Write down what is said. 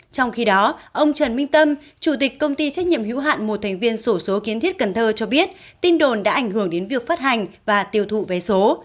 trong khi đó ông trần minh tâm chủ tịch công ty trách nhiệm hữu hạn một thành viên sổ số kiến thiết cần thơ cho biết tin đồn đã ảnh hưởng đến việc phát hành và tiêu thụ vé số